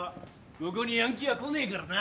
ここにヤンキーは来ねえからな。